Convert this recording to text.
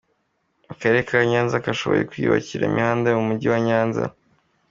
Akarere ka Nyanza kashoboye kwiyubakira imihanda yo mu mujyi wa Nyanza.